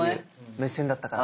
目線だったから。